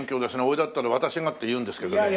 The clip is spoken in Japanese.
俺だったら私がって言うんですけどね。